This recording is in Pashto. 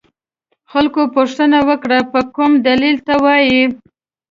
خلکو پوښتنه وکړه په کوم دلیل ته وایې.